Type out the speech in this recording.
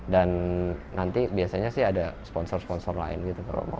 dan nanti biasanya sih ada sponsor sponsor lain gitu kalau mau